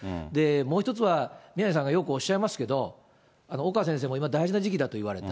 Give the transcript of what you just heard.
もう１つは宮根さんがよくおっしゃいますけど、岡先生も今、大事な時期だと言われた。